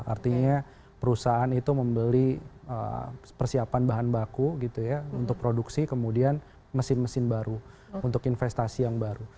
artinya perusahaan itu membeli persiapan bahan baku gitu ya untuk produksi kemudian mesin mesin baru untuk investasi yang baru